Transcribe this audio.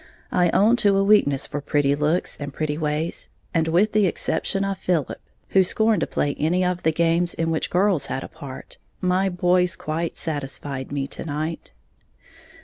I own to a weakness for pretty looks and pretty ways; and with the exception of Philip, who scorned to play any of the games in which girls had a part, my boys quite satisfied me to night.